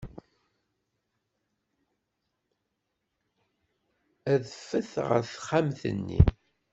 Adfet ɣer texxamt-nni.